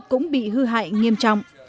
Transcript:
cũng bị hư hại nghiêm trọng